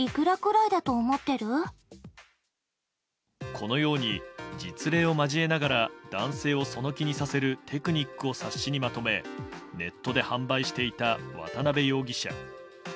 このように実例を交えながら男性をその気にさせるテクニックを冊子にまとめネットで販売していた渡辺容疑者。